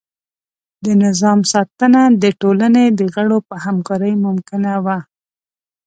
د نظام ساتنه د ټولنې د غړو په همکارۍ ممکنه وه.